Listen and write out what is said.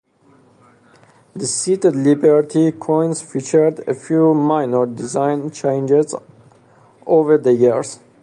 The Seated Liberty coins featured a few minor design changes over the years.